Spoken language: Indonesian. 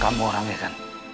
kamu orangnya kan